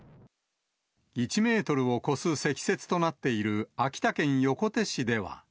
１メートルを超す積雪となっている秋田県横手市では。